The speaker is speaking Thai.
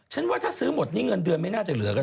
ว่าถ้าซื้อหมดนี่เงินเดือนไม่น่าจะเหลือกัน